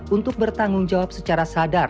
untuk bertanggung jawab secara sadar